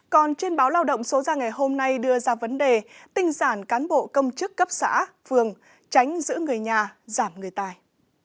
còn trên báo lao động số ra ngày hôm nay đưa ra vấn đề tinh giản cán bộ công chức cấp xã phường tránh giữ người nhà giảm người tài